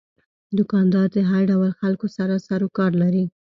دوکاندار د هر ډول خلکو سره سروکار لري.